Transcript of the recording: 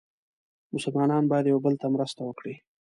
مسلمانان باید یو بل ته مرسته وکړي.